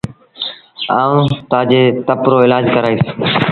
آئوٚݩ تآجي تپ رو ايلآج ڪرآئيٚس۔